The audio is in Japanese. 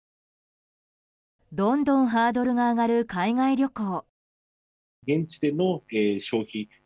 どんどんハードルが上がる海外旅行。